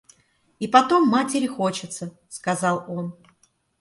И потом матери хочется, — сказал он.